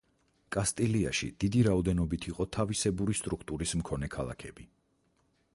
კასტილიაში დიდი რაოდენობით იყო თავისებური სტრუქტურის მქონე ქალაქები.